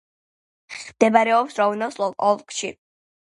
მდებარეობს როვნოს ოლქში.